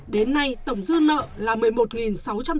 đến nay tổng dư nợ là